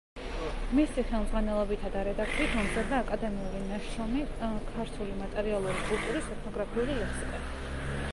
მისი ხელმძღვანელობითა და რედაქციით მომზადდა აკადემიური ნაშრომი „ქართული მატერიალური კულტურის ეთნოგრაფიული ლექსიკონი“.